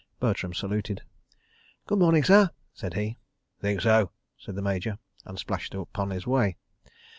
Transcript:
Bertram saluted. "Good morning, sir," said he. "Think so?" said the Major, and splashed upon his way.